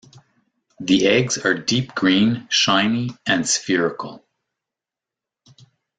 The eggs are deep green, shiny, and spherical.